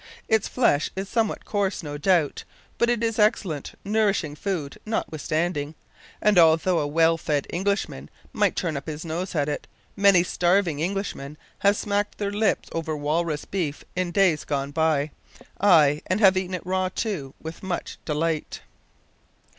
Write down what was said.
Its flesh is somewhat coarse, no doubt, but it is excellent, nourishing food notwithstanding, and although a well fed Englishman might turn up his nose at it, many starving Englishmen have smacked their lips over walrus beef in days gone by aye, and have eaten it raw, too, with much delight!